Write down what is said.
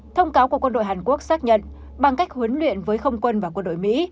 thông cáo của quân đội hàn quốc xác nhận bằng cách huấn luyện với không quân và quân đội mỹ